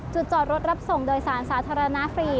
จอดรถรับส่งโดยสารสาธารณะฟรี